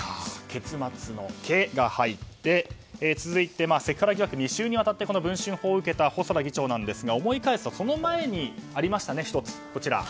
結末の「ケ」が入って続いて、セクハラ疑惑２週にわたって文春砲を受けた細田議長ですが思い返すとその前にありましたね。